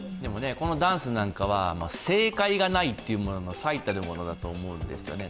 ダンスなんかは正解がないというものの最たるものだと思うんですね。